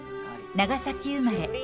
長崎生まれ。